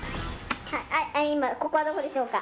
今、ここはどこでしょうか？